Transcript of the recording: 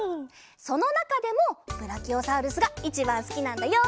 そのなかでもブラキオサウルスがいちばんすきなんだよ！